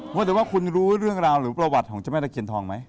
ว่าแต่ว่าคุณรู้เรื่องราวหรือประวัติของเจ้าแม่ตะเคียนทองไหม